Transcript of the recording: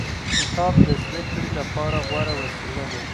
کتاب د زده کړې لپاره غوره وسیله ده.